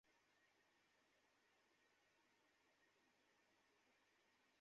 অনেক অফিসে কর্মীরা আগে থেকেই ঠিক করেই রাখেন, বেগুনি রঙের পোশাক পরবেন।